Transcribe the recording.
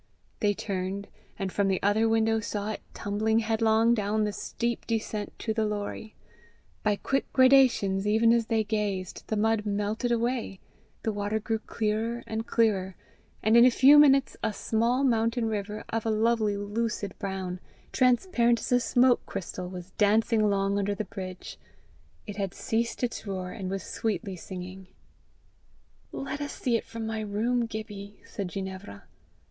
They turned, and from the other window saw it tumbling headlong down the steep descent to the Lorrie. By quick gradations, even as they gazed, the mud melted away; the water grew clearer and clearer, and in a few minutes a small mountain river, of a lovely lucid brown, transparent as a smoke crystal, was dancing along under the bridge. It had ceased its roar and was sweetly singing. "Let us see it from my room, Gibbie," said Ginevra.